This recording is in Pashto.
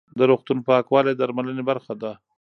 د روغتون پاکوالی د درملنې برخه ده.